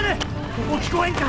そこ聞こえんか？